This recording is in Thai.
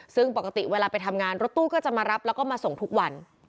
ซึ่งปกติเวลาไปทำงานรถตู้ก็จะมารับแล้วก็มาส่งทุกวัน